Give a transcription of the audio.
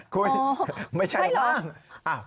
คุยไม่ใช่หรอก